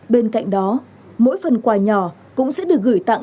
bên cạnh đó mỗi phần quà nhỏ cũng sẽ được gửi tặng